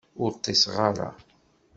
Ur ṭṭiṣeɣ ara.